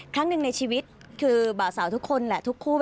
ครั้งหนึ่งในชีวิตคือบ่าวสาวทุกคนแหละทุกคู่